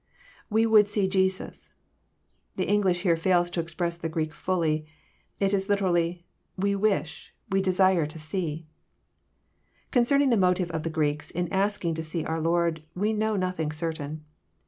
[TTe would see Jesus.'] The English here fails to express the Greek fully. It is literally, " we wish, we desire to see." Concerning the motive of the Greeks, in asking to see our Lord, we know nothing certain.